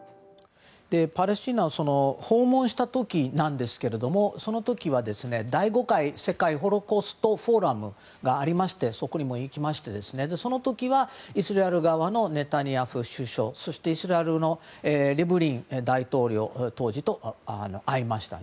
パレスチナを訪問した時なんですけども第５回世界ホロコースト・フォーラムがありましてそこにも行きましてその時はイスラエル側のネタニヤフ首相そして、イスラエルの当時のリブリン大統領と会いました。